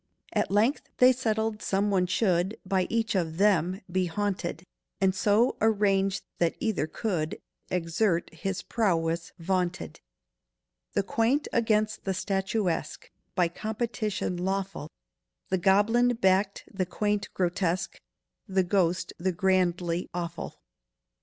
At length they settled some one should By each of them be haunted, And so arrange that either could Exert his prowess vaunted. "The Quaint against the Statuesque"— By competition lawful— The goblin backed the Quaint Grotesque, The ghost the Grandly Awful.